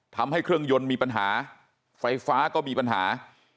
ทำให้เครื่องยนต์มีปัญหาไฟฟ้าก็มีปัญหา